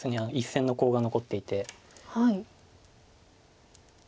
１線のコウが残っていて。